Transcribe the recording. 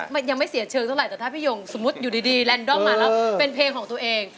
มันยังไม่เสียเชิงเท่าไหร่แต่ถ้าพี่ยงสมมุติอยู่ดีแลนดอมมาแล้วเป็นเพลงของตัวเอง